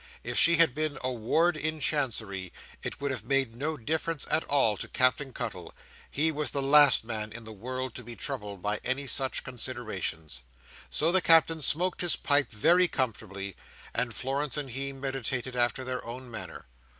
If she had been a Ward in Chancery, it would have made no difference at all to Captain Cuttle. He was the last man in the world to be troubled by any such considerations. So the Captain smoked his pipe very comfortably, and Florence and he meditated after their own manner.